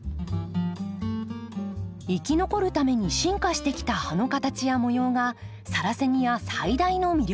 生き残るために進化してきた葉の形や模様がサラセニア最大の魅力。